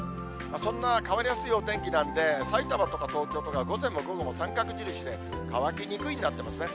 そんな変わりやすいお天気なんで、さいたまとか東京とか、午前も午後も三角印で、乾きにくいになってますね。